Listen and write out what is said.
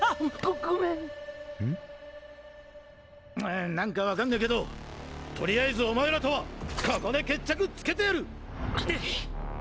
ぁなんか分かんねぇけどとりあえずお前らとはココで決着つけてやる！